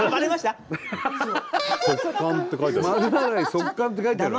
「速乾」って書いてある。